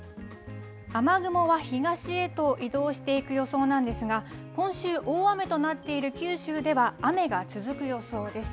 雨雲は東へと移動していく予想なんですが、今週、大雨となっている九州では、雨が続く予想です。